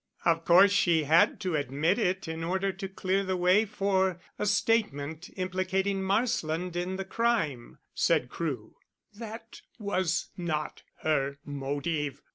"Of course she had to admit it in order to clear the way for a statement implicating Marsland in the crime," said Crewe. "That was not her motive.